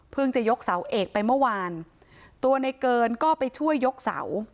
จะยกเสาเอกไปเมื่อวานตัวในเกินก็ไปช่วยยกเสา